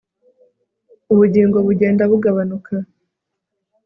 Ubugingo bugenda bugabanuka